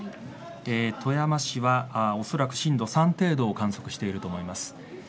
富山市は、おそらく震度３程度を観測しています。